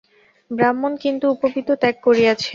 ব্রাহ্মণ, কিন্তু উপবীত ত্যাগ করিয়াছেন।